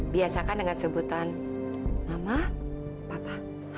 biasakan dengan sebutan nama papa